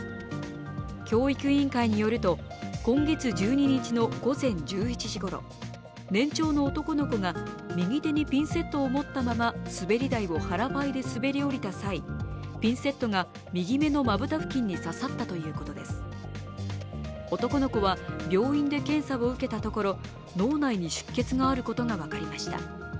教育委員会によると、今月１２日の午前１１時ごろ年長の男の子が右手にピンセットを持ったまま滑り台を腹ばいで滑り降りた際、男の子は病院で検査を受けたところ脳内に出血があることが分かりました。